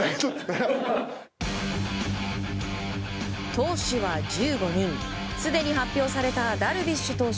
投手は１５人すでに発表されたダルビッシュ投手